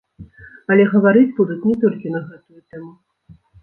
Але гаварыць будуць не толькі на гэтую тэму.